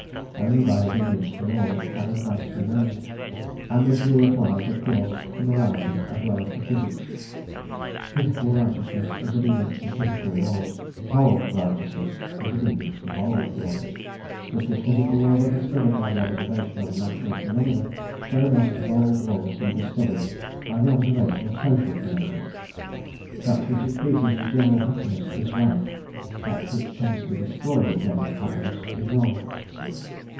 Only by obedience to law can advance be made, and this rule applies, of course, to morality as well as to physics. Physical righteousness is obedience to physical laws; moral righteousness is obedience to moral laws: just as physical laws are discovered by the observation of natural phenomena, so must moral laws be discovered by the observation of social phenomena. That which increases the general happiness is right; that which tends to destroy the general happiness is wrong.